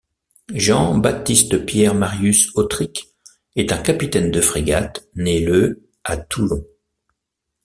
Jean Baptiste Pierre Marius Autric est un capitaine de frégate né le à Toulon.